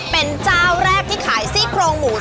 เป็นเจ้าแรกที่ขายซี่โครงหมู